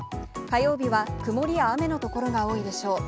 火曜日は曇りや雨の所が多いでしょう。